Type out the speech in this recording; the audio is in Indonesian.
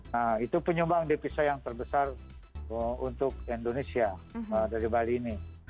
nah itu penyumbang depisa yang terbesar untuk indonesia dari bali ini